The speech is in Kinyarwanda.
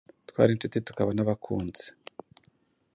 Twari inshuti tukaba n'abakunzi".